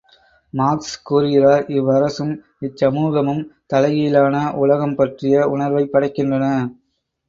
Marks கூறுகிறார் இவ்வரசும், இச்சமூகமும் தலைகீழான உலகம் பற்றிய உணர்வைப் படைக்கின்றன.